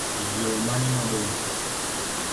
Yoo mane mabor?